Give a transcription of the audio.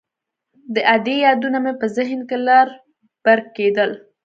د ادې يادونه مې په ذهن کښې لر بر کېدل.